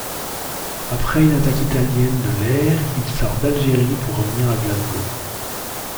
Après une attaque italienne de l'air il sort d'Algérie pour revenir à Glasgow.